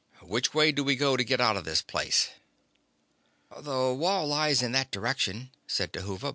Which way do we go to get out of this place?" "The wall lies in that direction," said Dhuva.